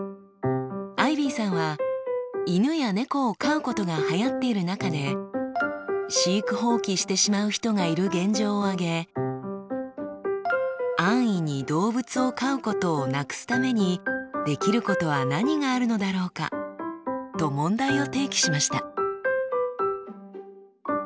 アイビーさんは犬や猫を飼うことが流行っている中で飼育放棄してしまう人がいる現状を挙げ「安易に動物を飼うことをなくすためにできることは何があるのだろうか」と問題を提起しました。